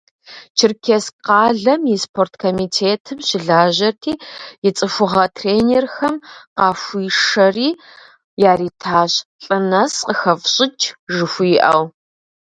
Черкесск къалэм и спорткомитетым щылажьэрти, и цӏыхугъэ тренерхэм къахуишэри яритащ, лӏы нэс къыхэфщӏыкӏ жыхуиӏэу.